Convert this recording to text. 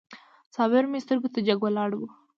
صابر مې سترګو ته جګ ولاړ و.